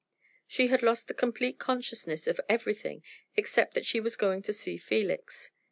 She had lost the complete consciousness of everything except that she was going to see Felix.